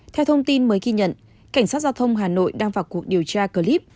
theo thông tin mới ghi nhận cảnh sát giao thông hà nội đang vào cuộc điều tra clip